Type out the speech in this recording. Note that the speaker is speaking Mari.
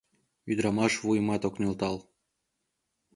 Ӱдырамаш вуйымат ок нӧлтал.